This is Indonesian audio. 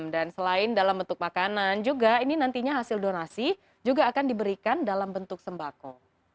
dan selain dalam bentuk makanan juga ini nantinya hasil donasi juga akan diberikan dalam bentuk sembako